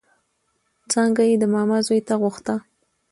څانګه يې د ماما زوی ته غوښته